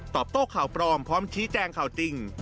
โต้ข่าวปลอมพร้อมชี้แจงข่าวจริง